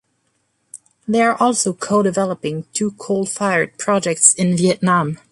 They are also co-developing two coal-fired projects in Vietnam.